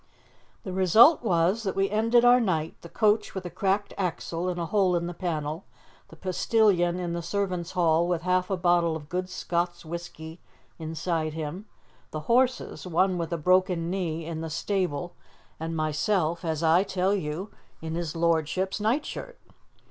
The result was that we ended our night, the coach with a cracked axle and a hole in the panel, the postilion in the servants' hall with half a bottle of good Scots whisky inside him, the horses one with a broken knee in the stable, and myself, as I tell you, in his lordship's nightshirt.